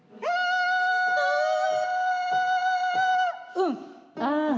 うん「ああ」。